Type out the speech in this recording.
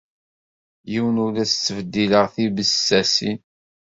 Yiwen ur as-ttbeddileɣ tibessasin.